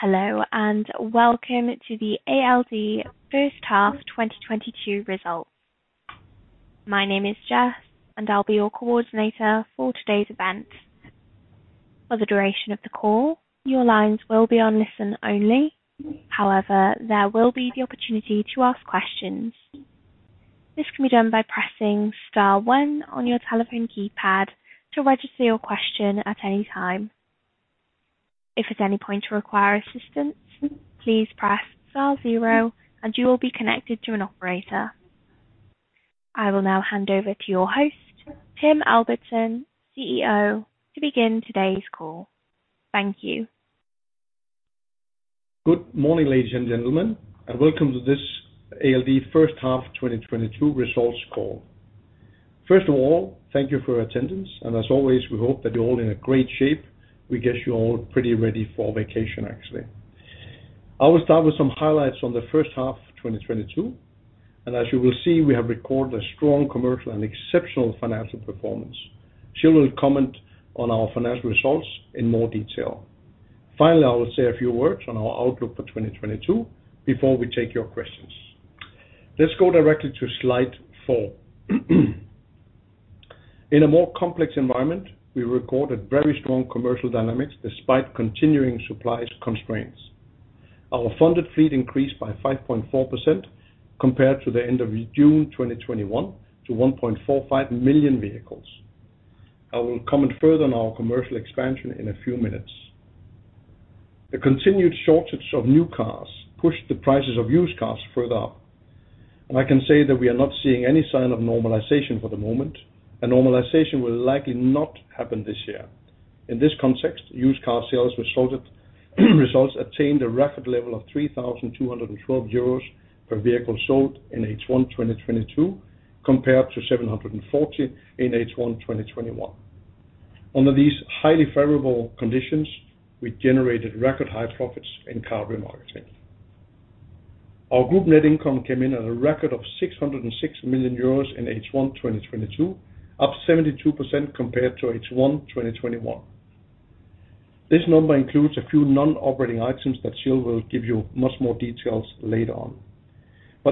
Hello, and welcome to the ALD First Half 2022 Results. My name is Jess, and I'll be your coordinator for today's event. For the duration of the call, your lines will be on listen only. However, there will be the opportunity to ask questions. This can be done by pressing star one on your telephone keypad to register your question at any time. If at any point you require assistance, please press star zero, and you will be connected to an operator. I will now hand over to your host, Tim Albertsen, CEO, to begin today's call. Thank you. Good morning, ladies and gentlemen, and welcome to this ALD First Half 2022 Result Call. First of all, thank you for your attendance, and as always, we hope that you're all in a great shape. We guess you're all pretty ready for vacation, actually. I will start with some highlights on the first half of 2022, and as you will see, we have recorded a strong commercial and exceptional financial performance. Gilles Momper will comment on our financial results in more detail. Finally, I will say a few words on our outlook for 2022 before we take your questions. Let's go directly to slide four. In a more complex environment, we recorded very strong commercial dynamics despite continuing supply constraints. Our funded fleet increased by 5.4% compared to the end of June 2021 to 1.45 million vehicles. I will comment further on our commercial expansion in a few minutes. The continued shortage of new cars pushed the prices of used cars further up, and I can say that we are not seeing any sign of normalization for the moment, and normalization will likely not happen this year. In this context, used car sales results attained a record level of 3,212 euros per vehicle sold in H1 2022 compared to 740 in H1 2021. Under these highly favorable conditions, we generated record high profits in car remarketing. Our group net income came in at a record of 606 million euros in H1 2022, up 72% compared to H1 2021. This number includes a few non-operating items that Gilles will give you much more details later on.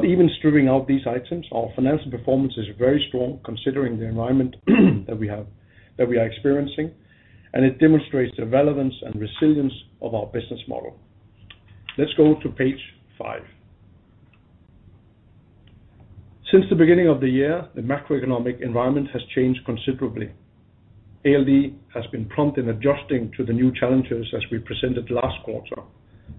Even stripping out these items, our financial performance is very strong considering the environment that we are experiencing, and it demonstrates the relevance and resilience of our business model. Let's go to page five. Since the beginning of the year, the macroeconomic environment has changed considerably. ALD has been prompt in adjusting to the new challenges as we presented last quarter.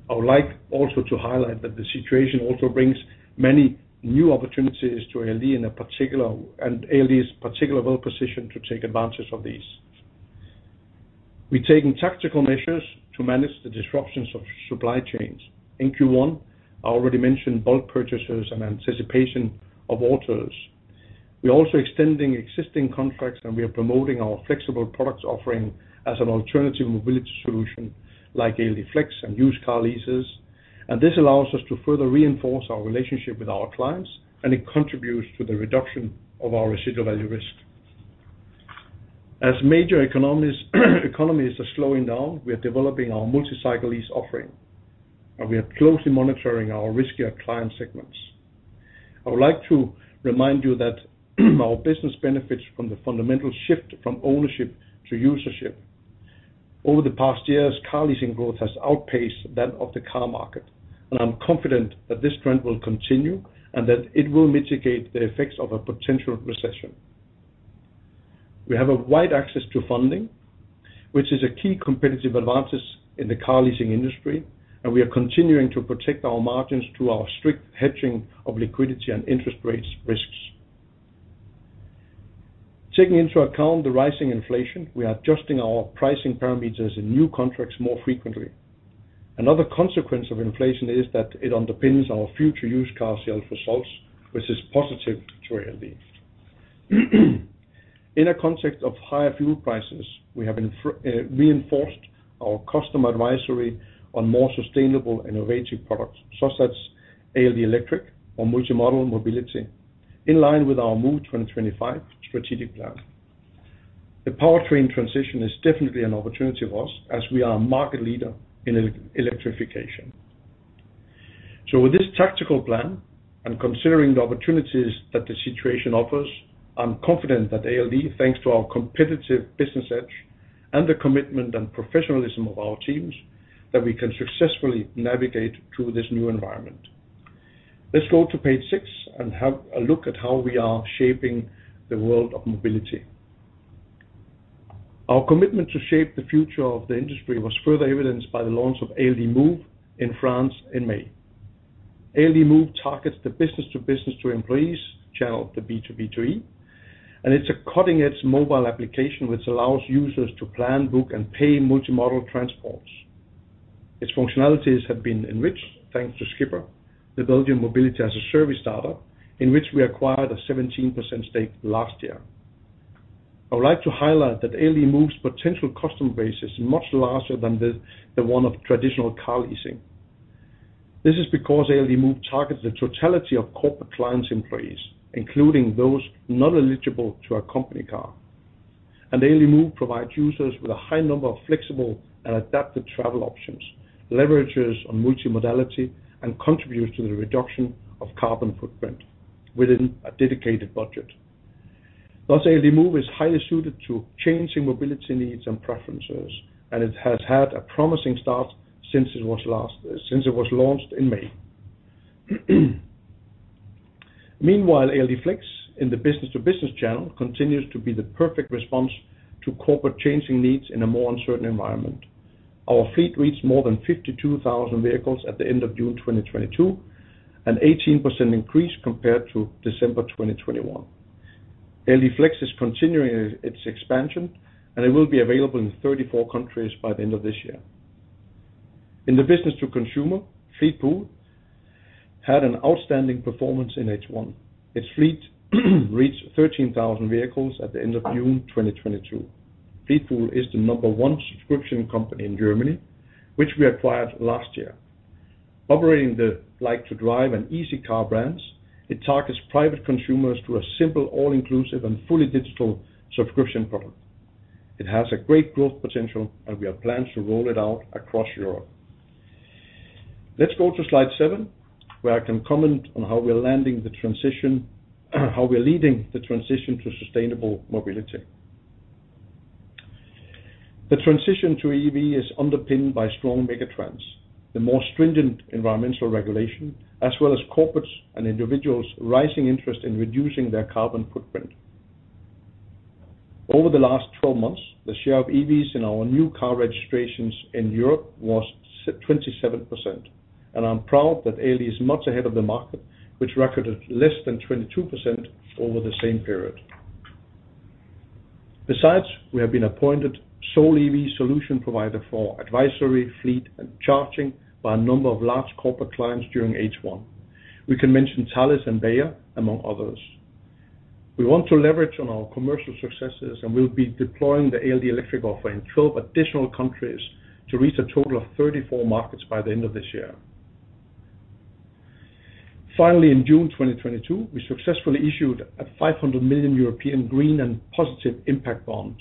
I would like also to highlight that the situation also brings many new opportunities to ALD in particular, and ALD is particularly well-positioned to take advantage of these. We're taking tactical measures to manage the disruptions of supply chains. In Q1, I already mentioned bulk purchases and anticipation of orders. We're also extending existing contracts, and we are promoting our flexible products offering as an alternative mobility solution like ALD Flex and used car leases. This allows us to further reinforce our relationship with our clients, and it contributes to the reduction of our residual value risk. As major economies are slowing down, we are developing our multi-cycle lease offering, and we are closely monitoring our riskier client segments. I would like to remind you that our business benefits from the fundamental shift from ownership to usership. Over the past years, car leasing growth has outpaced that of the car market, and I'm confident that this trend will continue and that it will mitigate the effects of a potential recession. We have a wide access to funding, which is a key competitive advantage in the car leasing industry, and we are continuing to protect our margins through our strict hedging of liquidity and interest rates risks. Taking into account the rising inflation, we are adjusting our pricing parameters in new contracts more frequently. Another consequence of inflation is that it underpins our future used car sales results, which is positive to ALD. In a context of higher fuel prices, we have reinforced our customer advisory on more sustainable innovative products, such as ALD Electric or multi-modal mobility, in line with our Move 2025 strategic plan. The powertrain transition is definitely an opportunity for us as we are a market leader in electrification. With this tactical plan and considering the opportunities that the situation offers, I'm confident that ALD, thanks to our competitive business edge and the commitment and professionalism of our teams, that we can successfully navigate through this new environment. Let's go to page six and have a look at how we are shaping the world of mobility. Our commitment to shape the future of the industry was further evidenced by the launch of ALD Move in France in May. ALD Move targets the business to business to employees channel, the B2B2E, and it's a cutting-edge mobile application which allows users to plan, book, and pay multimodal transports. Its functionalities have been enriched thanks to Skipr, the Belgian mobility as a service startup, in which we acquired a 17% stake last year. I would like to highlight that ALD Move's potential customer base is much larger than the one of traditional car leasing. This is because ALD Move targets the totality of corporate clients employees, including those not eligible to a company car. ALD Move provides users with a high number of flexible and adaptive travel options, leverages on multimodality, and contributes to the reduction of carbon footprint within a dedicated budget. Thus, ALD Move is highly suited to changing mobility needs and preferences, and it has had a promising start since it was launched in May. Meanwhile, ALD Flex in the business-to-business channel continues to be the perfect response to corporate changing needs in a more uncertain environment. Our fleet reached more than 52,000 vehicles at the end of June 2022, an 18% increase compared to December 2021. ALD Flex is continuing its expansion, and it will be available in 34 countries by the end of this year. In the business-to-consumer, Fleetpool had an outstanding performance in H1. Its fleet reached 13,000 vehicles at the end of June 2022. Fleetpool is the number one subscription company in Germany, which we acquired last year. Operating the like2drive and easyCar brands, it targets private consumers through a simple, all-inclusive and fully digital subscription product. It has a great growth potential, and we have plans to roll it out across Europe. Let's go to slide seven, where I can comment on how we're leading the transition to sustainable mobility. The transition to EV is underpinned by strong megatrends, the more stringent environmental regulation, as well as corporates and individuals rising interest in reducing their carbon footprint. Over the last 12 months, the share of EVs in our new car registrations in Europe was 27%, and I'm proud that ALD is much ahead of the market, which recorded less than 22% over the same period. Besides, we have been appointed sole EV solution provider for advisory, fleet, and charging by a number of large corporate clients during H1. We can mention Thales and Bayer, among others. We want to leverage on our commercial successes, and we'll be deploying the ALD Electric offer in 12 additional countries to reach a total of 34 markets by the end of this year. Finally, in June 2022, we successfully issued a 500 million European green and positive impact bond.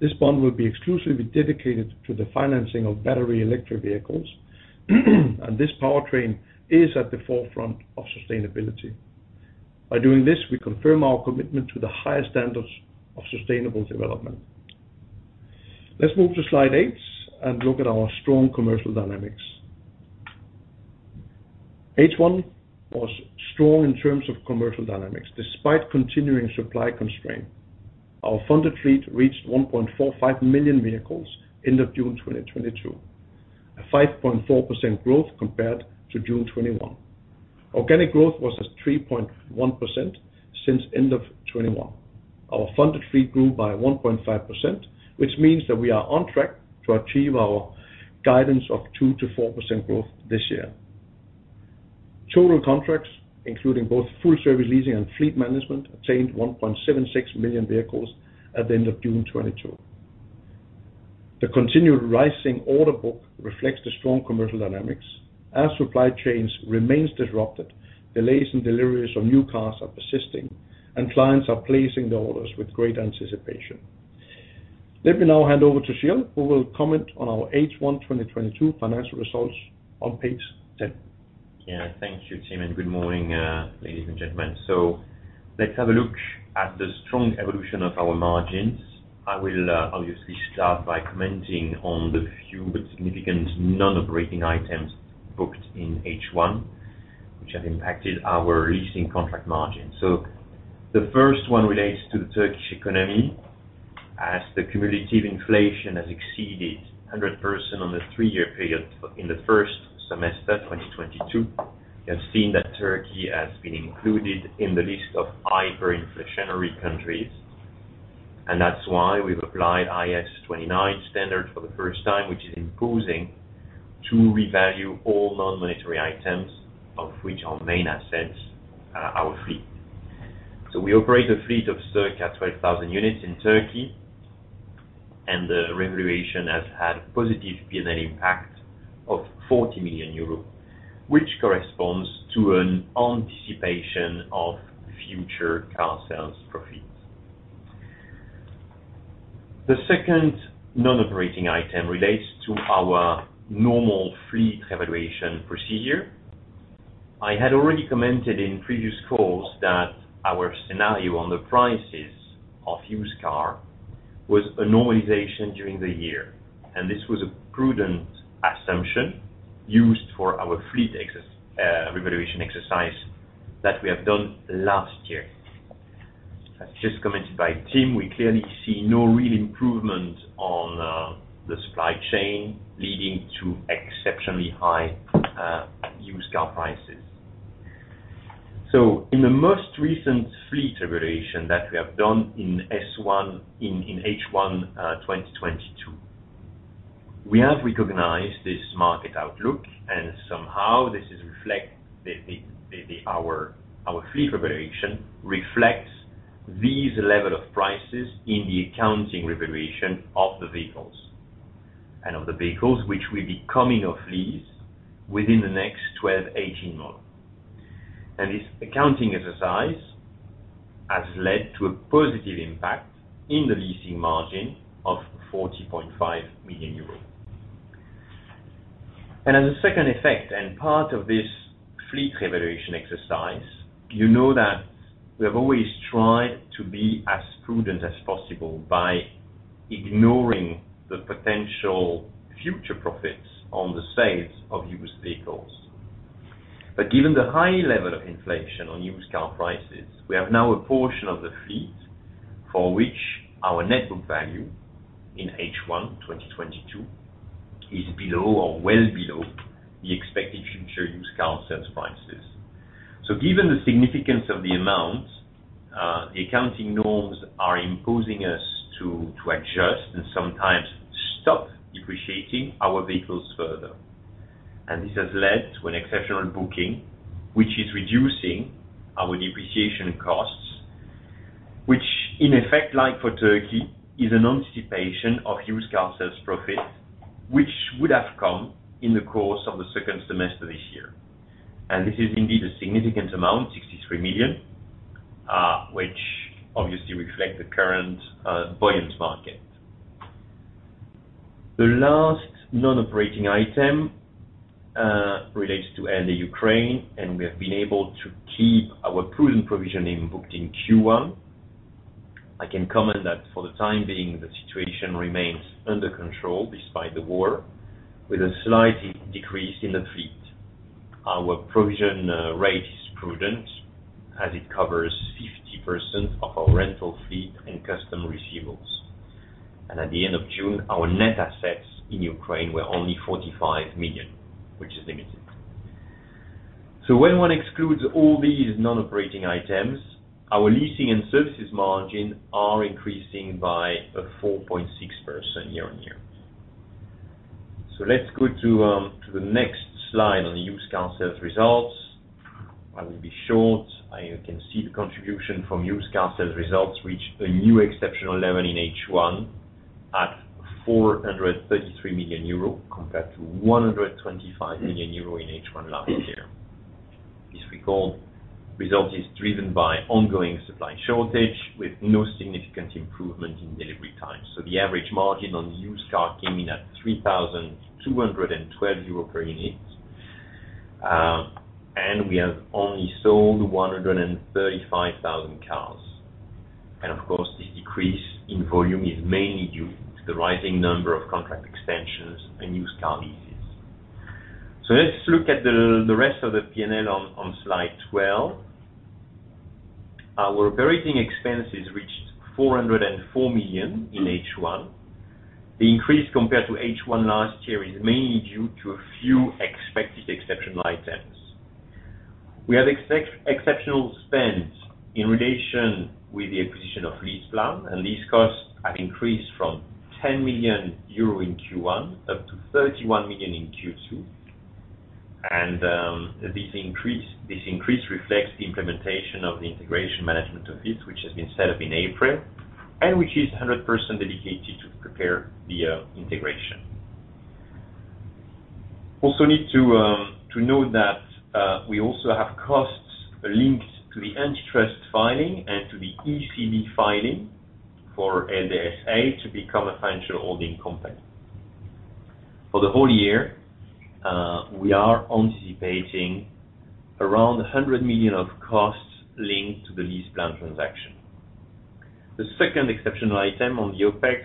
This bond will be exclusively dedicated to the financing of battery electric vehicles, and this powertrain is at the forefront of sustainability. By doing this, we confirm our commitment to the highest standards of sustainable development. Let's move to slide 8 and look at our strong commercial dynamics. H1 was strong in terms of commercial dynamics despite continuing supply constraint. Our funded fleet reached 1.45 million vehicles end of June 2022, a 5.4% growth compared to June 2021. Organic growth was at 3.1% since end of 2021. Our funded fleet grew by 1.5%, which means that we are on track to achieve our guidance of 2%-4% growth this year. Total contracts, including both full service leasing and fleet management, attained 1.76 million vehicles at the end of June 2022. The continued rising order book reflects the strong commercial dynamics. As supply chains remains disrupted, delays in deliveries of new cars are persisting, and clients are placing the orders with great anticipation. Let me now hand over to Gilles, who will comment on our H1 2022 financial results on page 10. Yeah. Thank you, Tim, and good morning, ladies and gentlemen. Let's have a look at the strong evolution of our margins. I will obviously start by commenting on the few but significant non-operating items booked in H1, which have impacted our leasing contract margin. The first one relates to the Turkish economy. As the cumulative inflation has exceeded 100% on the three-year period in the first semester, 2022, you have seen that Turkey has been included in the list of hyperinflationary countries. That's why we've applied IAS 29 standard for the first time, which is imposing to revalue all non-monetary items, of which our main assets are our fleet. We operate a fleet of circa 12,000 units in Turkey, and the revaluation has had a positive P&L impact of 40 million euros, which corresponds to an anticipation of future car sales profits. The second non-operating item relates to our normal fleet evaluation procedure. I had already commented in previous calls that our scenario on the prices of used car was a normalization during the year, and this was a prudent assumption used for our fleet revaluation exercise that we have done last year. As just commented by Tim, we clearly see no real improvement on the supply chain leading to exceptionally high used car prices. In the most recent fleet evaluation that we have done in H1 2022, we have recognized this market outlook, and somehow this is reflected. Our fleet evaluation reflects these levels of prices in the accounting revaluation of the vehicles, and of the vehicles which will be coming off lease within the next 12 to 8 months. This accounting exercise has led to a positive impact in the leasing margin of 40.5 million euros. As a second effect, and part of this fleet revaluation exercise, you know that we have always tried to be as prudent as possible by ignoring the potential future profits on the sales of used vehicles. Given the high level of inflation on used car prices, we have now a portion of the fleet for which our net book value in H1 2022 is below or well below the expected future used car sales prices. Given the significance of the amount, the accounting norms are imposing on us to adjust and sometimes stop depreciating our vehicles further. This has led to an exceptional booking, which is reducing our depreciation costs, which in effect, like for Turkey, is an anticipation of used car sales profit, which would have come in the course of the second semester this year. This is indeed a significant amount, 63 million, which obviously reflect the current buoyant market. The last non-operating item relates to ALD Ukraine, and we have been able to keep our prudent provisioning booked in Q1. I can comment that for the time being, the situation remains under control despite the war, with a slight decrease in the fleet. Our provision rate is prudent as it covers 50% of our rental fleet and customer receivables. At the end of June, our net assets in Ukraine were only 45 million, which is limited. When one excludes all these non-operating items, our leasing and services margin are increasing by 4.6% year-on-year. Let's go to the next slide on the used car sales results. I will be short. You can see the contribution from used car sales results reach a new exceptional level in H1 at 433 million euro compared to 125 million euro in H1 last year. This record result is driven by ongoing supply shortage with no significant improvement in delivery time. The average margin on used car came in at 3,212 euro per unit. We have only sold 135,000 cars. Of course, the decrease in volume is mainly due to the rising number of contract extensions and used car leases. Let's look at the rest of the P&L on slide 12. Our operating expenses reached 404 million in H1. The increase compared to H1 last year is mainly due to a few expected exceptional items. We have exceptional spends in relation with the acquisition of LeasePlan, and these costs have increased from 10 million euro in Q1 up to 31 million in Q2. This increase reflects the implementation of the integration management office, which has been set up in April, and which is 100% dedicated to prepare the integration. Also need to note that we also have costs linked to the antitrust filing and to the ECB filing for ALD S.A. to become a financial holding company. For the whole year, we are anticipating around 100 million of costs linked to the LeasePlan transaction. The second exceptional item on the OpEx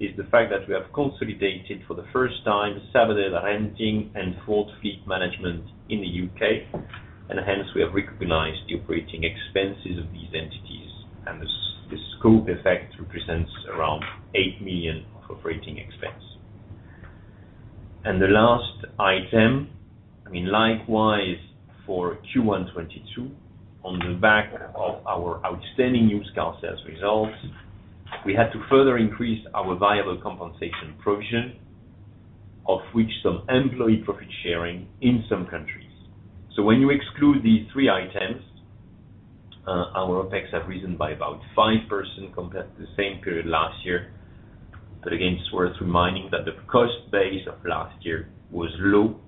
is the fact that we have consolidated for the first time Sabadell Renting and Ford Fleet Management in the U.K. Hence, we have recognized the operating expenses of these entities, and the scope effect represents around 8 million of operating expense. The last item, I mean, likewise for Q1 2022, on the back of our outstanding used car sales results, we had to further increase our variable compensation provision, of which some employee profit sharing in some countries. When you exclude these three items, our OpEx have risen by about 5% compared to the same period last year. Again, it's worth reminding that the cost base of last year was low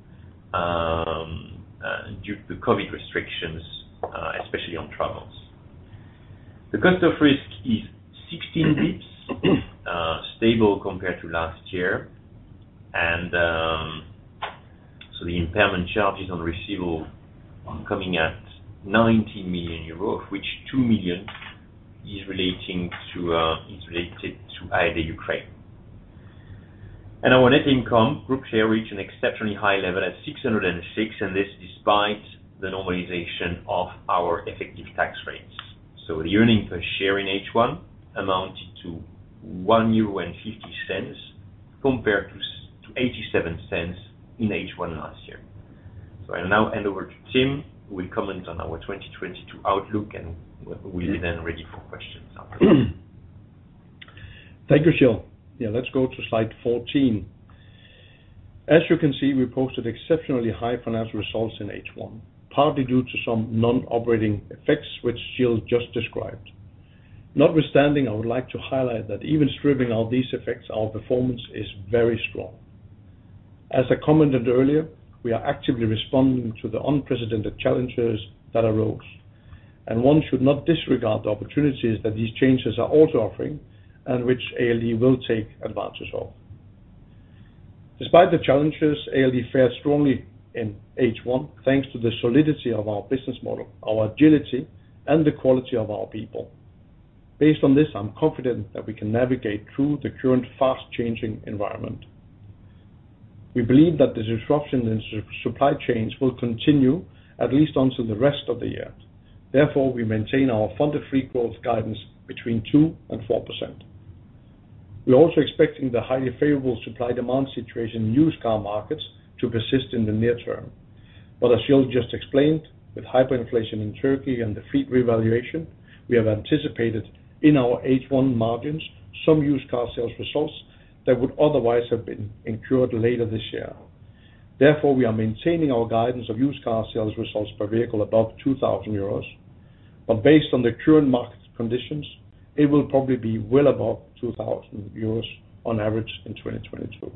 due to COVID restrictions, especially on travel. The cost of risk is 16 basis points, stable compared to last year. The impairment charges on receivables coming at 19 million euros, of which 2 million is related to ALD Automotive Ukraine. Our net income Group share reached an exceptionally high level at 606 million, and this despite the normalization of our effective tax rates. The earnings per share in H1 amounted to 1.50 euro compared to 0.87 in H1 last year. I'll now hand over to Tim, who will comment on our 2022 outlook, and we'll be then ready for questions afterwards. Thank you, Gilles. Yeah, let's go to slide 14. As you can see, we posted exceptionally high financial results in H1, partly due to some non-operating effects, which Gilles just described. Notwithstanding, I would like to highlight that even stripping out these effects, our performance is very strong. As I commented earlier, we are actively responding to the unprecedented challenges that arose, and one should not disregard the opportunities that these changes are also offering and which ALD will take advantage of. Despite the challenges, ALD fared strongly in H1, thanks to the solidity of our business model, our agility and the quality of our people. Based on this, I'm confident that we can navigate through the current fast changing environment. We believe that the disruption in supply chains will continue at least until the rest of the year. Therefore, we maintain our funded free growth guidance between 2%-4%. We're also expecting the highly favorable supply demand situation in used car markets to persist in the near term. As Gilles just explained, with hyperinflation in Turkey and the fleet revaluation, we have anticipated in our H1 margins some used car sales results that would otherwise have been incurred later this year. Therefore, we are maintaining our guidance of used car sales results per vehicle above 2,000 euros. Based on the current market conditions, it will probably be well above 2,000 euros on average in 2022.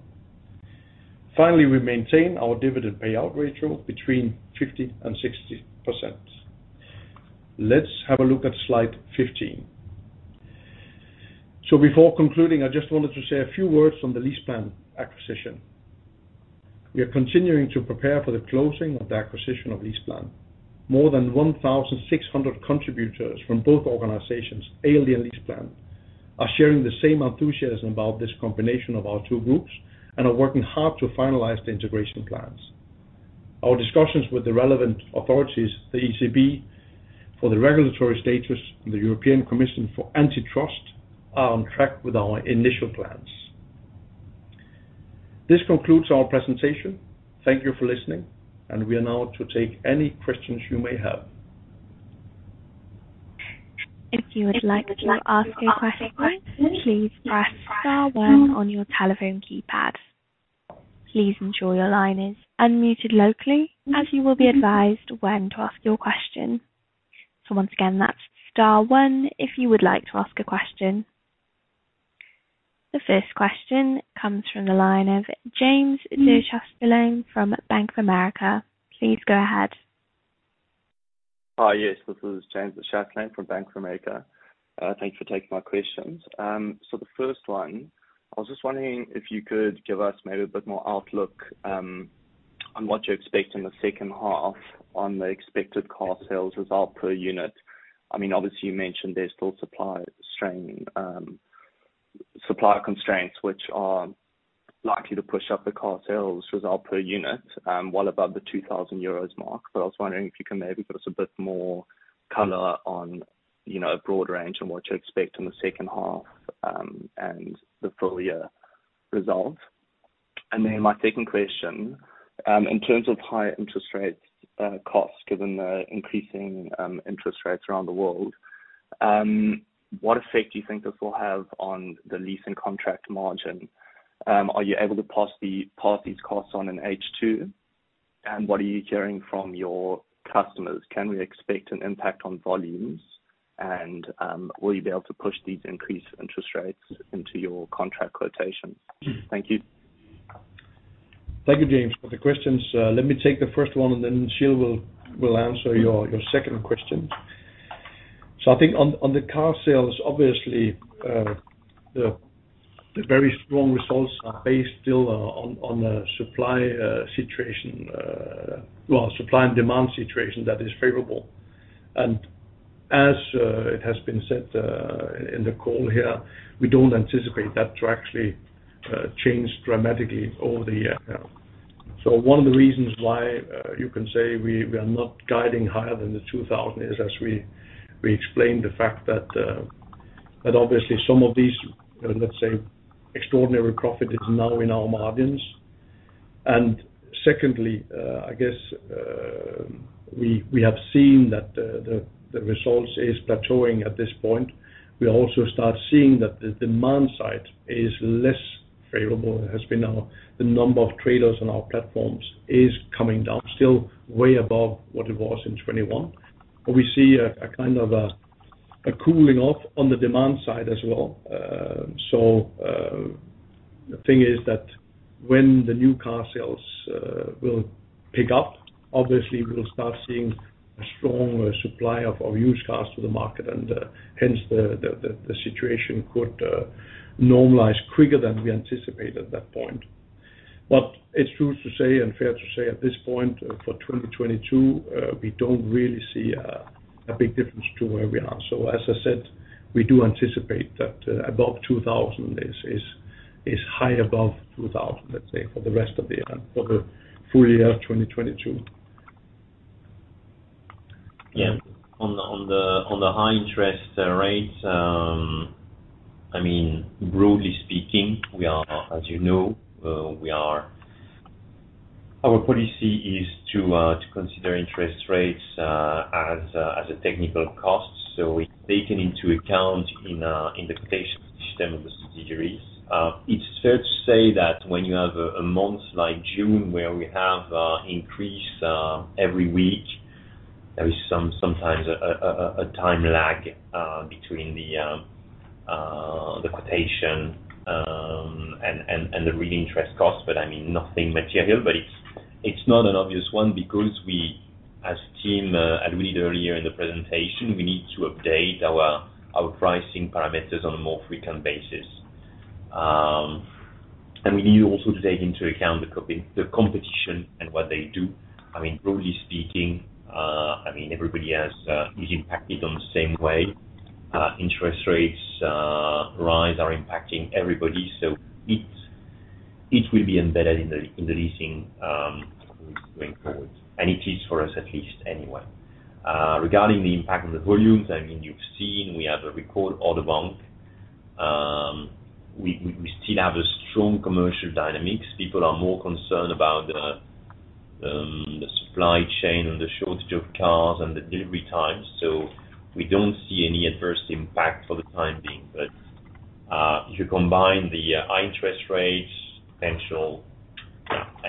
Finally, we maintain our dividend payout ratio between 50%-60%. Let's have a look at slide 15. Before concluding, I just wanted to say a few words on the LeasePlan acquisition. We are continuing to prepare for the closing of the acquisition of LeasePlan. More than 1,600 contributors from both organizations, ALD and LeasePlan, are sharing the same enthusiasm about this combination of our two groups and are working hard to finalize the integration plans. Our discussions with the relevant authorities, the ECB, for the regulatory status and the European Commission for antitrust, are on track with our initial plans. This concludes our presentation. Thank you for listening, and we are now ready to take any questions you may have. If you would like to ask a question, please press star one on your telephone keypad. Please ensure your line is unmuted locally, as you will be advised when to ask your question. Once again, that's star one if you would like to ask a question. The first question comes from the line of James de Chastelain from Bank of America. Please go ahead. Hi, yes. This is James de Chastelain from Bank of America. Thank you for taking my questions. So the first one, I was just wondering if you could give us maybe a bit more outlook on what you expect in the second half on the expected car sales result per unit. I mean, obviously, you mentioned there's still supply strain, supply constraints, which are likely to push up the car sales result per unit, well above the 2,000 euros mark. I was wondering if you can maybe give us a bit more color on, you know, a broad range on what to expect in the second half, and the full year results. My second question, in terms of higher interest rates, costs, given the increasing interest rates around the world, what effect do you think this will have on the leasing contract margin? Are you able to pass these costs on in H2? What are you hearing from your customers? Can we expect an impact on volumes? Will you be able to push these increased interest rates into your contract quotations? Thank you. Thank you, James, for the questions. Let me take the first one, and then Gilles will answer your second question. I think on the car sales, obviously, the very strong results are based still on a supply situation, well, supply and demand situation that is favorable. As it has been said in the call here, we don't anticipate that to actually change dramatically over the year. One of the reasons why you can say we are not guiding higher than the 2,000 is, as we explained, the fact that obviously some of these, let's say, extraordinary profit is now in our margins. Secondly, I guess, we have seen that the results is plateauing at this point. We also start seeing that the demand side is less favorable. The number of traders on our platforms is coming down, still way above what it was in 2021. We see a kind of cooling off on the demand side as well. The thing is that when the new car sales will pick up, obviously we will start seeing a strong supply of our used cars to the market and hence the situation could normalize quicker than we anticipate at that point. It's true to say and fair to say at this point, for 2022, we don't really see a big difference to where we are. As I said, we do anticipate that above 2,000 is high above 2,000, let's say, for the rest of the year, for the full year 2022. Yeah. On the high interest rates, I mean, broadly speaking, we are, as you know, we are...Our policy is to consider interest rates as a technical cost. It's taken into account in the quotation system of the subsidiaries. It's fair to say that when you have a month like June where we have increases every week, there is sometimes a time lag between the quotation and the real interest costs, but I mean, nothing material. It's not an obvious one because we, as a team, agreed earlier in the presentation, we need to update our pricing parameters on a more frequent basis. We need also to take into account the competition and what they do. I mean, broadly speaking, everybody is impacted in the same way. Interest rates rise are impacting everybody, so it will be embedded in the leasing going forward. It is for us, at least, anyway. Regarding the impact on the volumes, I mean, you've seen, we have a record order book. We still have a strong commercial dynamics. People are more concerned about the supply chain and the shortage of cars and the delivery times. We don't see any adverse impact for the time being. If you combine the high interest rates, potential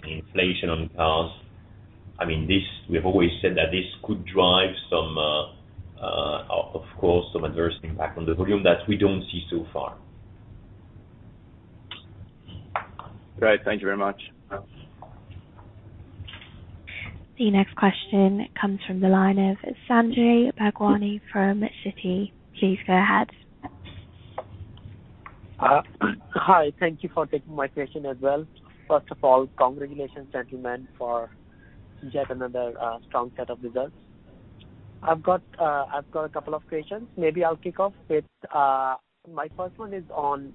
inflation on cars, I mean, this, we have always said that this could drive some, of course, some adverse impact on the volume that we don't see so far. Great. Thank you very much. The next question comes from the line of Sanjay Bhagwani from Citi. Please go ahead. Hi. Thank you for taking my question as well. First of all, congratulations, gentlemen, for yet another strong set of results. I've got a couple of questions. Maybe I'll kick off with my first one is on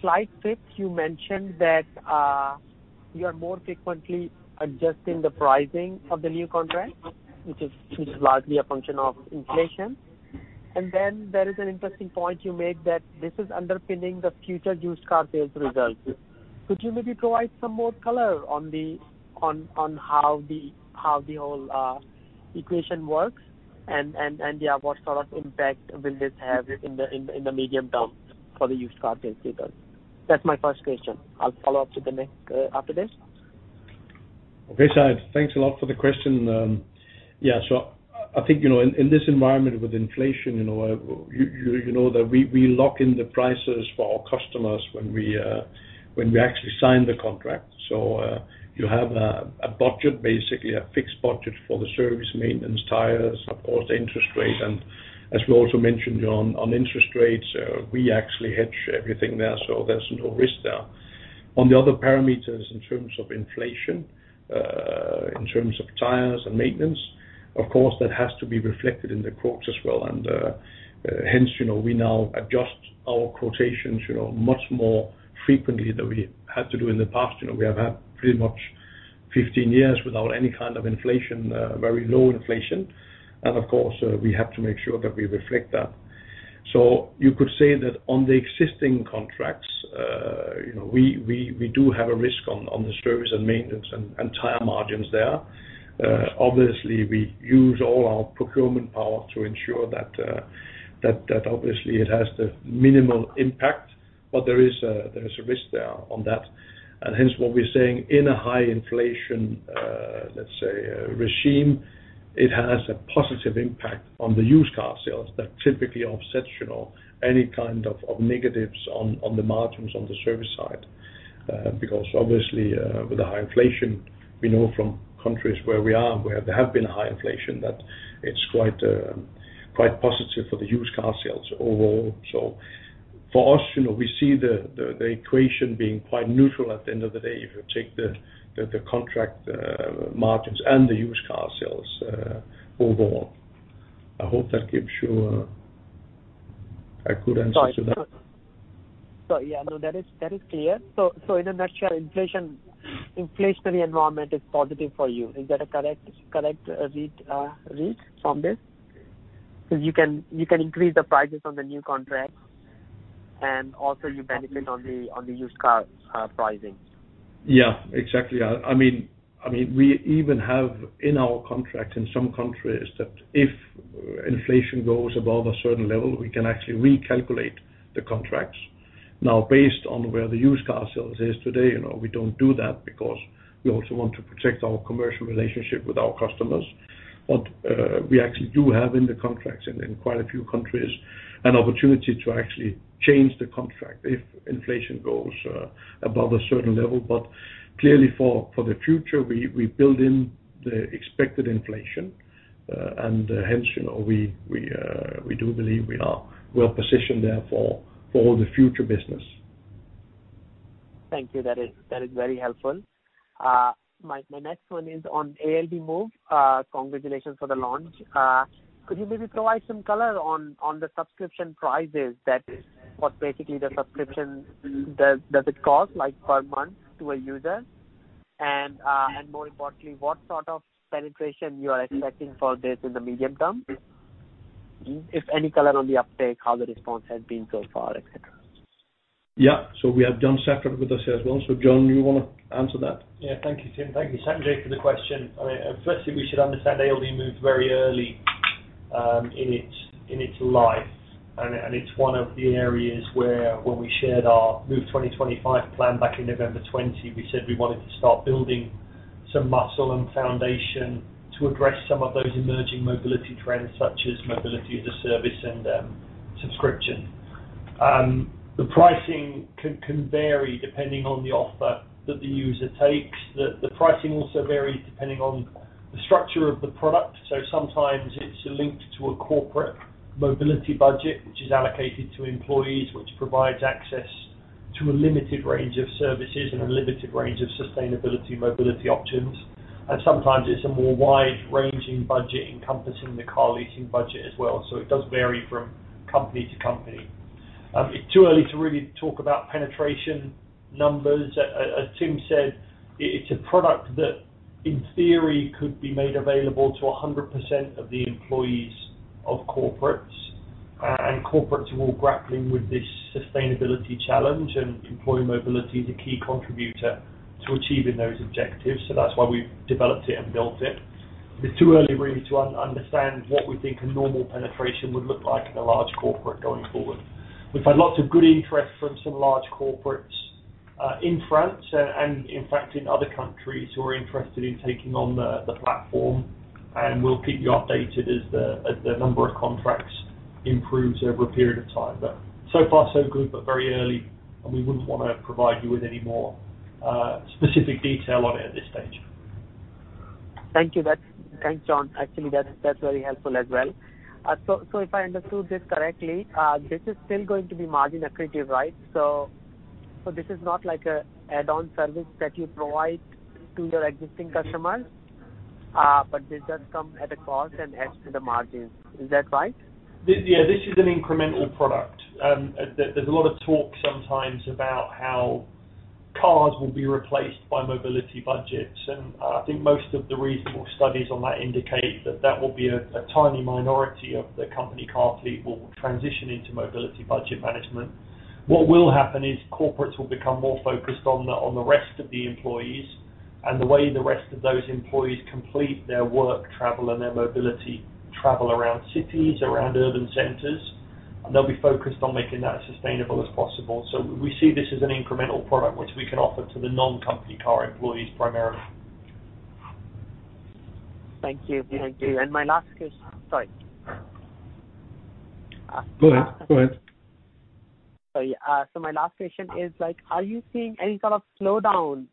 slide six, you mentioned that you are more frequently adjusting the pricing of the new contract, which is largely a function of inflation. And then there is an interesting point you made that this is underpinning the future used car sales results. Could you maybe provide some more color on how the whole equation works and yeah, what sort of impact will this have in the medium term for the used car sales results? That's my first question. I'll follow up with the next after this. Okay, Sanjay, thanks a lot for the question. Yeah. I think, you know, in this environment with inflation, you know, you know that we lock in the prices for our customers when we actually sign the contract. You have a budget, basically a fixed budget for the service, maintenance, tires, of course, the interest rate. As we also mentioned on interest rates, we actually hedge everything there, so there's no risk there. On the other parameters in terms of inflation, in terms of tires and maintenance, of course, that has to be reflected in the quotes as well. Hence, you know, we now adjust our quotations, you know, much more frequently than we had to do in the past. You know, we have had pretty much 15 years without any kind of inflation, very low inflation. Of course, we have to make sure that we reflect that. You could say that on the existing contracts, you know, we do have a risk on the service and maintenance and tire margins there. Obviously we use all our procurement power to ensure that obviously it has the minimal impact, but there is a risk there on that. Hence what we're saying in a high inflation, let's say regime, it has a positive impact on the used car sales that typically offsets, you know, any kind of negatives on the margins on the service side. Because obviously, with the high inflation, we know from countries where we are, where there have been high inflation, that it's quite positive for the used car sales overall. For us, you know, we see the equation being quite neutral at the end of the day if you take the contract margins and the used car sales overall. I hope that gives you a good answer to that. Sorry. Yeah, no, that is clear. In a nutshell, inflationary environment is positive for you. Is that a correct read from this? Because you can increase the prices on the new contracts and also you benefit on the used car pricing. Yeah, exactly. I mean, we even have in our contract in some countries that if inflation goes above a certain level, we can actually recalculate the contracts. Now based on where the used car sales is today, you know, we don't do that because we also want to protect our commercial relationship with our customers. We actually do have in the contracts in quite a few countries an opportunity to actually change the contract if inflation goes above a certain level. Clearly for the future, we build in the expected inflation. Hence, you know, we do believe we are well positioned there for the future business. Thank you. That is very helpful. My next one is on ALD Move. Congratulations for the launch. Could you maybe provide some color on the subscription prices, what basically the subscription does it cost like per month to a user? More importantly, what sort of penetration you are expecting for this in the medium term? If any color on the uptake, how the response has been so far, et cetera. Yeah. We have John Saffrett with us here as well. John, you wanna answer that? Yeah. Thank you, Tim. Thank you, Sanjay, for the question. I mean, firstly, we should understand ALD moved very early in its life, and it's one of the areas where when we shared our Move 2025 plan back in November 2020, we said we wanted to start building some muscle and foundation to address some of those emerging mobility trends such as mobility as a service and subscription. The pricing can vary depending on the offer that the user takes. The pricing also varies depending on the structure of the product. Sometimes it's linked to a corporate mobility budget which is allocated to employees, which provides access to a limited range of services and a limited range of sustainability mobility options, and sometimes it's a more wide-ranging budget encompassing the car leasing budget as well, so it does vary from company to company. It's too early to really talk about penetration numbers. As Tim said, it's a product that in theory could be made available to 100% of the employees of corporates. Corporates are all grappling with this sustainability challenge, and employee mobility is a key contributor to achieving those objectives, so that's why we've developed it and built it. It's too early really to understand what we think a normal penetration would look like in a large corporate going forward. We've had lots of good interest from some large corporates, in France, and in fact in other countries who are interested in taking on the platform, and we'll keep you updated as the number of contracts improves over a period of time. So far so good, but very early, and we wouldn't wanna provide you with any more specific detail on it at this stage. Thank you. Thanks, John. Actually, that's very helpful as well. If I understood this correctly, this is still going to be margin accretive, right? This is not like an add-on service that you provide to your existing customers, but this does come at a cost and adds to the margins. Is that right? Yeah, this is an incremental product. There's a lot of talk sometimes about how cars will be replaced by mobility budgets, and I think most of the reasonable studies on that indicate that that will be a tiny minority of the company car fleet will transition into mobility budget management. What will happen is corporates will become more focused on the rest of the employees and the way the rest of those employees complete their work travel and their mobility travel around cities, around urban centers, and they'll be focused on making that as sustainable as possible. We see this as an incremental product which we can offer to the non-company car employees primarily. Thank you. Sorry. Go ahead. Sorry. My last question is, like, are you seeing any kind of slowdown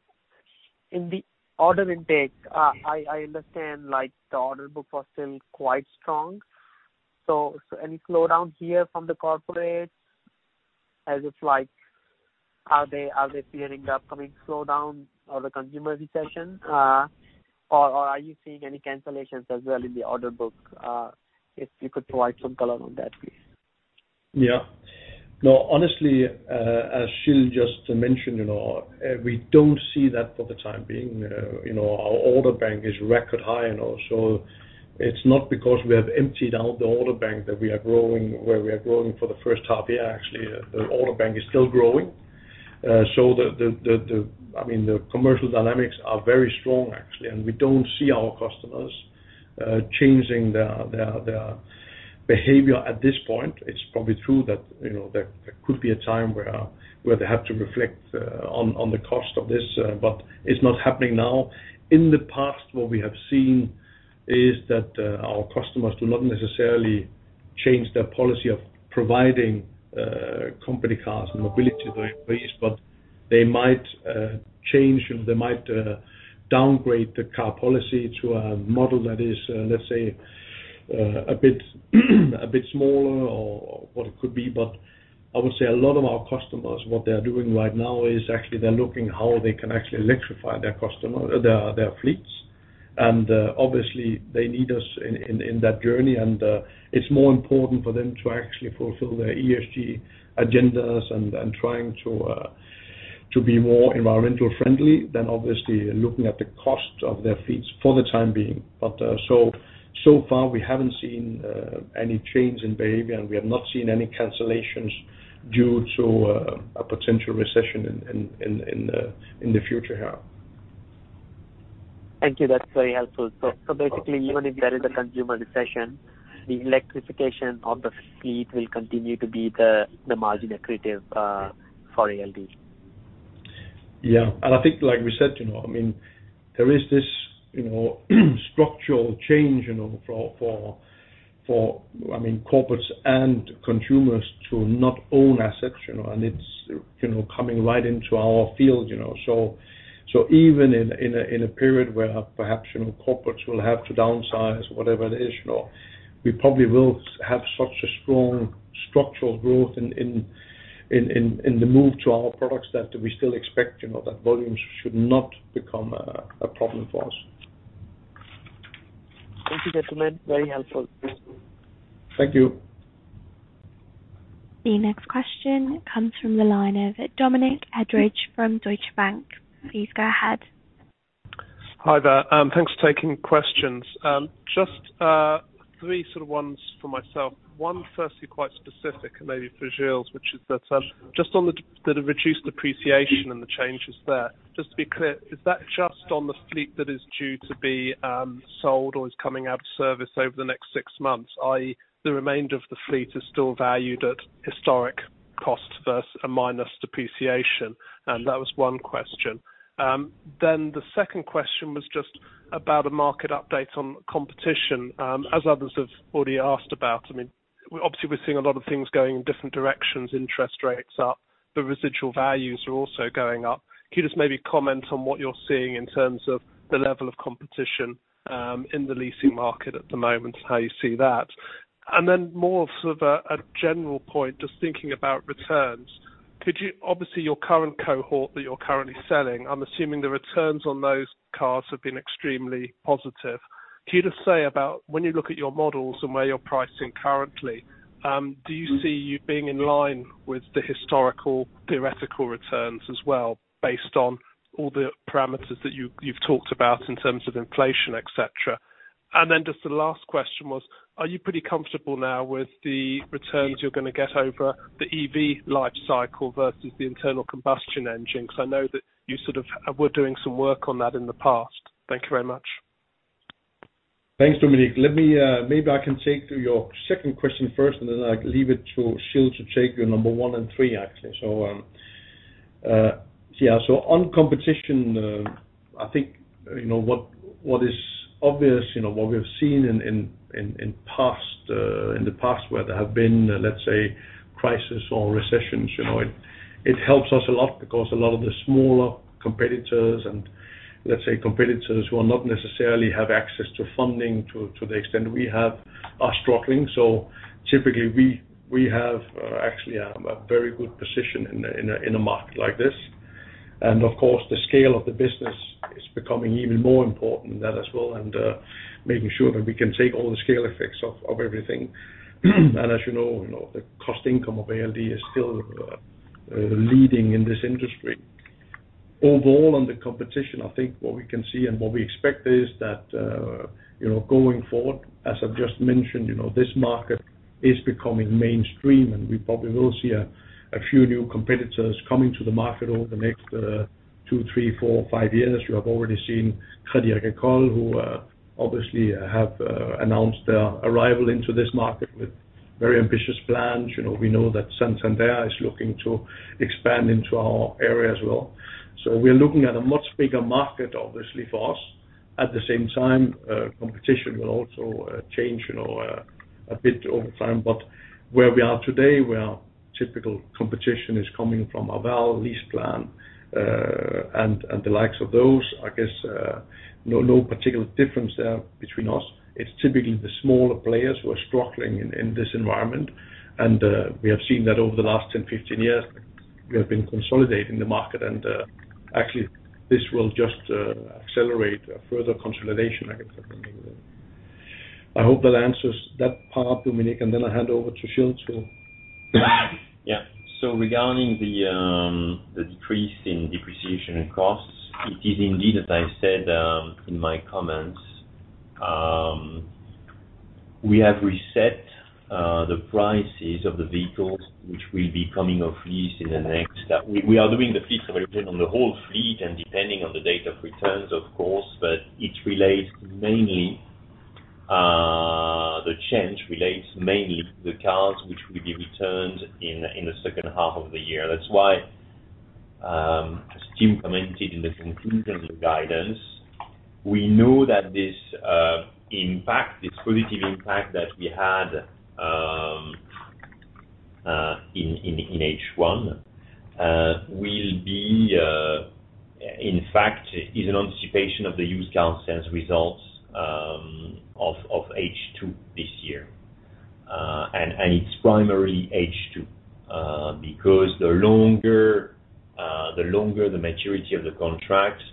in the order intake? I understand, like, the order books are still quite strong. Any slowdown here from the corporates as in, like, are they fearing the upcoming slowdown or the consumer recession, or are you seeing any cancellations as well in the order book? If you could provide some color on that, please. Yeah. No, honestly, as Gilles just mentioned, you know, we don't see that for the time being. You know, our order bank is record high, you know, so it's not because we have emptied out the order bank that we are growing, where we are growing for the first half year. Actually, the order bank is still growing. So I mean, the commercial dynamics are very strong actually, and we don't see our customers changing their behavior at this point. It's probably true that, you know, there could be a time where they have to reflect on the cost of this, but it's not happening now. In the past, what we have seen is that our customers do not necessarily change their policy of providing company cars and mobility to their employees, but they might change and they might downgrade the car policy to a model that is, let's say, a bit smaller or what it could be. I would say a lot of our customers, what they're doing right now is actually they're looking how they can actually electrify their customer, their fleets. Obviously they need us in that journey and it's more important for them to actually fulfill their ESG agendas and trying to be more environmentally friendly than obviously looking at the cost of their fleets for the time being. So far we haven't seen any change in behavior, and we have not seen any cancellations due to a potential recession in the future here. Thank you. That's very helpful. Basically even if there is a consumer recession, the electrification of the fleet will continue to be the margin accretive for ALD. Yeah. I think like we said, you know, I mean there is this, you know, structural change, you know, for, I mean, corporates and consumers to not own assets, you know, and it's, you know, coming right into our field, you know. Even in a period where perhaps, you know, corporates will have to downsize or whatever it is, you know, we probably will have such a strong structural growth in the move to our products that we still expect, you know, that volumes should not become a problem for us. Thank you, gentlemen. Very helpful. Thank you. The next question comes from the line of Dominic Edridge from Deutsche Bank. Please go ahead. Hi there. Thanks for taking questions. Just three sort of ones for myself. One firstly, quite specific, maybe for Gilles, which is that, just on the reduced depreciation and the changes there, just to be clear, is that just on the fleet that is due to be, sold or is coming out of service over the next six months, i.e., the remainder of the fleet is still valued at historic cost versus a minus depreciation? That was one question. The second question was just about a market update on competition, as others have already asked about. I mean, obviously, we're seeing a lot of things going in different directions, interest rates up. The residual values are also going up. Can you just maybe comment on what you're seeing in terms of the level of competition in the leasing market at the moment and how you see that? More of sort of a general point, just thinking about returns. Obviously, your current cohort that you're currently selling, I'm assuming the returns on those cars have been extremely positive. Can you just say about when you look at your models and where you're pricing currently, do you see you being in line with the historical theoretical returns as well, based on all the parameters that you've talked about in terms of inflation, et cetera? Just the last question was, are you pretty comfortable now with the returns you're gonna get over the EV life cycle versus the internal combustion engine? Because I know that you sort of were doing some work on that in the past. Thank you very much. Thanks, Dominic. Let me maybe turn to your second question first, and then I'll leave it to Gilles to take your number one and three, actually. Yeah. On competition, I think, you know, what is obvious, you know, what we have seen in the past, where there have been, let's say, crisis or recessions, you know, it helps us a lot because a lot of the smaller competitors and, let's say, competitors who are not necessarily have access to funding to the extent we have are struggling. Typically we have actually a very good position in a market like this. Of course, the scale of the business is becoming even more important than that as well, and making sure that we can take all the scale effects of everything. As you know, you know, the cost income of ALD is still leading in this industry. Overall, on the competition, I think what we can see and what we expect is that, you know, going forward, as I've just mentioned, you know, this market is becoming mainstream, and we probably will see a few new competitors coming to the market over the next two, three, four, five years. You have already seen Crédit Agricole, who obviously have announced their arrival into this market with very ambitious plans. You know, we know that Santander is looking to expand into our area as well. We're looking at a much bigger market, obviously, for us. At the same time, competition will also change, you know, a bit over time. Where we are today, where our typical competition is coming from Arval, LeasePlan, and the likes of those, I guess, no particular difference there between us. It's typically the smaller players who are struggling in this environment. We have seen that over the last 10, 15 years. We have been consolidating the market, and actually this will just accelerate a further consolidation, I guess. I hope that answers that part, Dominic, and then I'll hand over to Gilles to- Yeah. Yeah. Regarding the decrease in depreciation costs, it is indeed, as I said, in my comments, we have reset the prices of the vehicles, which will be coming off lease in the next. We are doing the fleet calculation on the whole fleet and depending on the date of returns, of course, but the change relates mainly to the cars which will be returned in the second half of the year. That's why, as Tim commented in the conclusions guidance, we know that this impact, this positive impact that we had in H1 will be, in fact, is an anticipation of the used car sales results of H2 this year. It's primarily H2, because the longer the maturity of the contract, the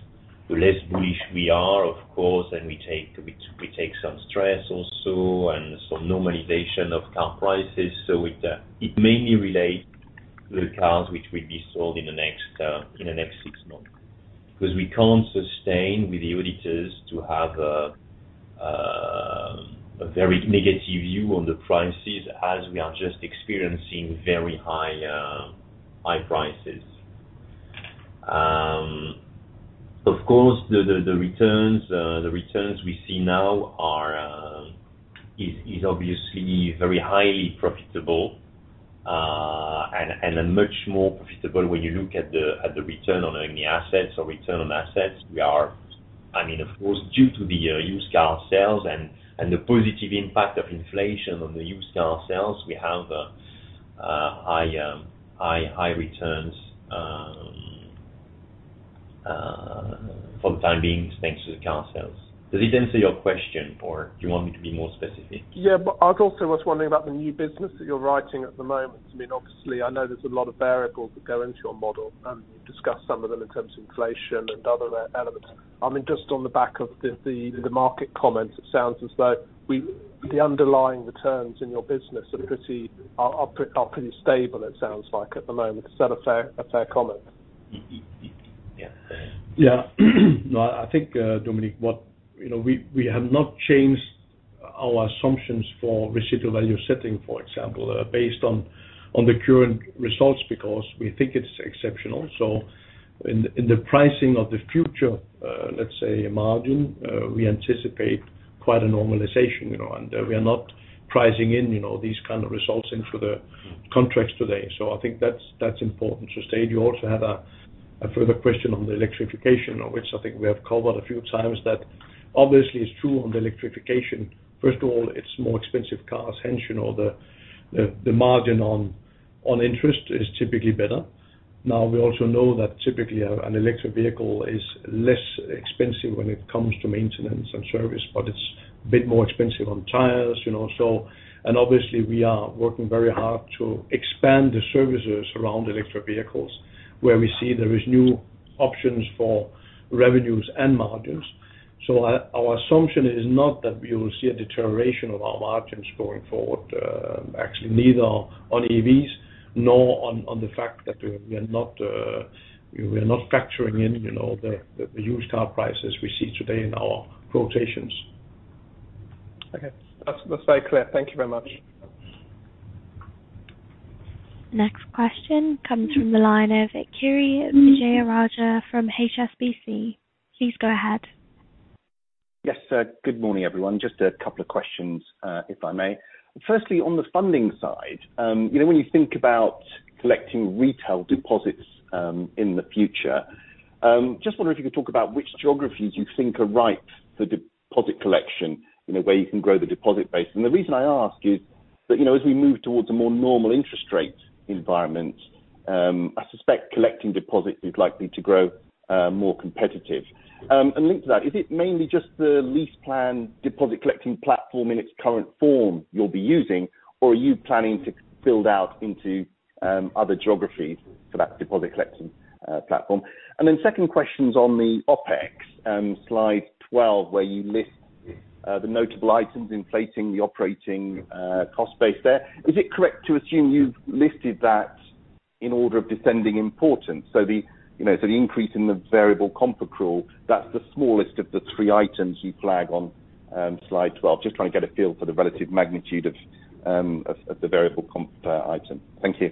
less bullish we are, of course, and we take some stress also and some normalization of car prices. It mainly relates to the cars which will be sold in the next six months. 'Cause we can't sustain with the auditors to have a very negative view on the prices as we are just experiencing very high prices. Of course, the returns we see now are obviously very highly profitable, and much more profitable when you look at the return on owning the assets or return on assets. We are. I mean, of course, due to the used car sales and the positive impact of inflation on the used car sales, we have high returns for the time being, thanks to the car sales. Does it answer your question, or do you want me to be more specific? Yeah. I was also wondering about the new business that you're writing at the moment. I mean, obviously, I know there's a lot of variables that go into your model, and you've discussed some of them in terms of inflation and other elements. I mean, just on the back of the market comment, it sounds as though the underlying returns in your business are pretty stable, it sounds like, at the moment. Is that a fair comment? yeah. Yeah. No, I think, Dominic, you know, we have not changed our assumptions for residual value setting, for example, based on the current results because we think it's exceptional. In the pricing of the future, let's say margin, we anticipate quite a normalization, you know, and we are not pricing in, you know, these kind of results into the contracts today. I think that's important to state. You also had a further question on the electrification, of which I think we have covered a few times. That obviously is true on the electrification. First of all, it's more expensive cars, hence, you know, the margin on interest is typically better. Now, we also know that typically an electric vehicle is less expensive when it comes to maintenance and service, but it's a bit more expensive on tires, you know. Obviously we are working very hard to expand the services around electric vehicles, where we see there is new options for revenues and margins. Our assumption is not that we will see a deterioration of our margins going forward, actually neither on EVs nor on the fact that we are not factoring in, you know, the used car prices we see today in our quotations. Okay. That's very clear. Thank you very much. Next question comes from the line of Kiri Vijayarajah from HSBC. Please go ahead. Yes, sir. Good morning, everyone. Just a couple of questions, if I may. Firstly, on the funding side, you know, when you think about collecting retail deposits, in the future, just wonder if you could talk about which geographies you think are right for deposit collection in a way you can grow the deposit base. The reason I ask is that, you know, as we move towards a more normal interest rate environment, I suspect collecting deposits is likely to grow more competitive. Linked to that, is it mainly just the LeasePlan deposit collecting platform in its current form you'll be using, or are you planning to build out into other geographies for that deposit collection platform? Second question's on the OpEx, slide 12, where you list the notable items inflating the operating cost base there. Is it correct to assume you've listed that in order of descending importance? You know, the increase in the variable comp accrual, that's the smallest of the three items you flag on slide 12. Just trying to get a feel for the relative magnitude of the variable comp item. Thank you.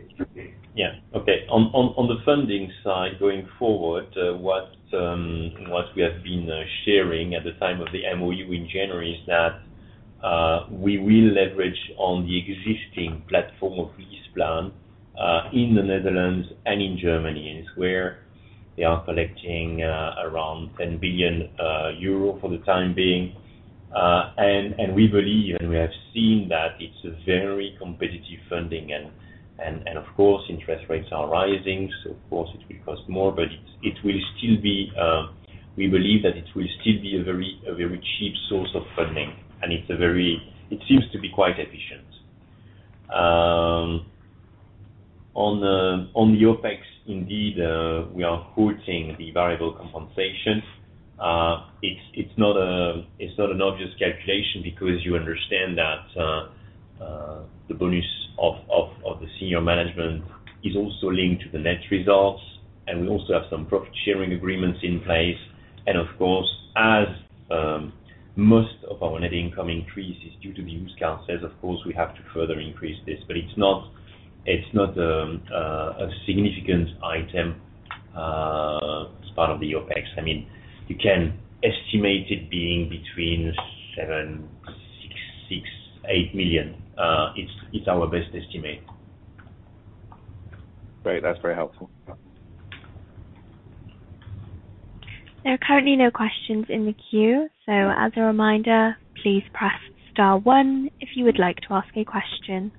Yeah. Okay. On the funding side going forward, what we have been sharing at the time of the MoU in January is that we will leverage on the existing platform of LeasePlan in the Netherlands and in Germany, is where they are collecting around 10 billion euro for the time being. We believe, and we have seen that it's a very competitive funding and of course, interest rates are rising, so of course it will cost more, but it will still be, we believe that it will still be a very cheap source of funding. It seems to be quite efficient. On the OpEx, indeed, we are quoting the variable compensation. It's not an obvious calculation because you understand that the bonus of the senior management is also linked to the net results, and we also have some profit sharing agreements in place. Of course, most of our net income increase is due to the used car sales. Of course, we have to further increase this. It's not a significant item as part of the OpEx. I mean, you can estimate it being between 6 million-8 million. It's our best estimate. Great. That's very helpful. There are currently no questions in the queue. As a reminder, please press star one if you would like to ask a question.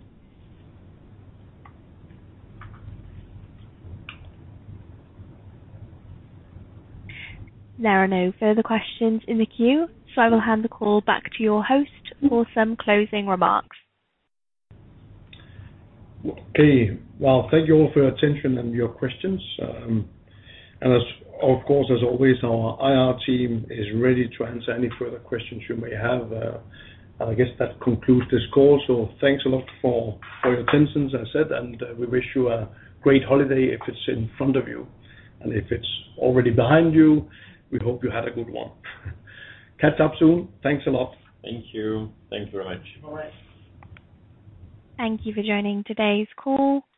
There are no further questions in the queue, so I will hand the call back to your host for some closing remarks. Okay. Well, thank you all for your attention and your questions. Of course, as always, our IR team is ready to answer any further questions you may have. I guess that concludes this call. Thanks a lot for your attention, as I said, and we wish you a great holiday if it's in front of you. If it's already behind you, we hope you had a good one. Catch up soon. Thanks a lot. Thank you. Thanks very much. Bye. Thank you for joining today's call.